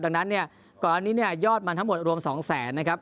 ดังนั้นก่อนอันนี้ยอดมันทั้งหมดรวม๒๐๐๐๐๐บาทนะครับ